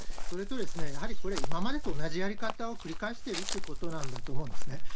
それと、やはりこれ、今までと同じやり方を繰り返しているってことなんだと思うんですね。